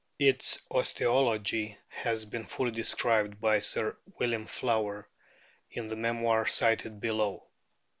Its osteology has been fully described by Sir William Flower in the memoir cited below.